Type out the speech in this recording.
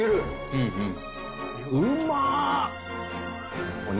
うんうん。